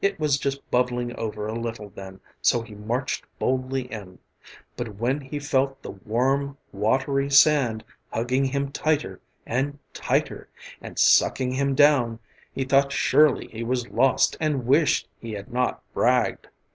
It was just bubbling over a little then, so he marched boldly in. But when he felt the warm watery sand hugging him tighter and tighter and sucking him down, he thought surely he was lost and wished he had not bragged.